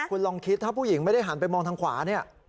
คุณลองคิดถ้าผู้หญิงไม่ได้หันไปมองทางขวาเนี่ย